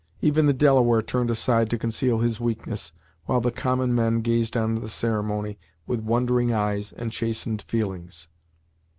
Even the Delaware turned aside to conceal his weakness, while the common men gazed on the ceremony with wondering eyes and chastened feelings.